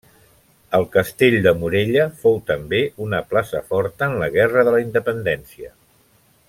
El castell de Morella fou també una plaça forta en la Guerra de la Independència.